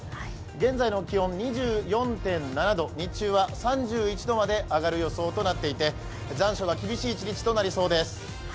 現在の気温、２４．７度、日中は３１度まで上がる予想となっていて残暑が厳しい一日となりそうです。